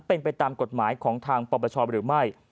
เป็นไปตามกฎหมายของทางปปชหรือไม่